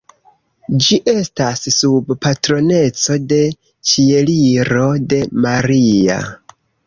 Ĝi estas sub patroneco de Ĉieliro de Maria.